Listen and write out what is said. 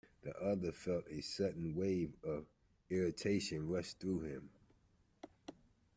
The other felt a sudden wave of irritation rush through him.